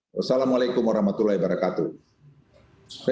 wassalamu'alaikum warahmatullahi wabarakatuh